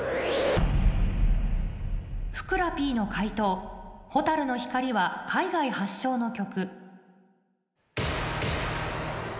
ふくらＰの解答『ほたるの光』は海外発祥の曲